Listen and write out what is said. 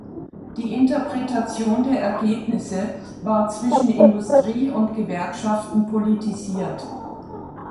Die Interpretation der Ergebnisse war zwischen Industrie und Gewerkschaften politisiert.